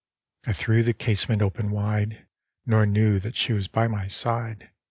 hi. I threw the casement open wide, Nor knew that she was by my side.